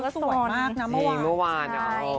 สวยมากนะเมื่อวาน